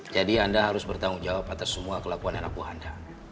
jadi anda harus bertanggung jawab atas semua kelakuan dan laku anda